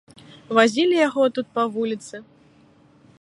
Вазілі яго тут па вуліцы.